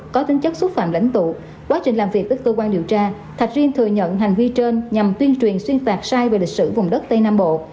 có tính chất xúc phạm lãnh tụ quá trình làm việc với cơ quan điều tra thạch riêng thừa nhận hành vi trên nhằm tuyên truyền xuyên tạc sai về lịch sử vùng đất tây nam bộ